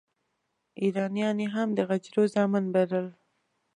ایرانیان یې هم د غجرو زامن بلل.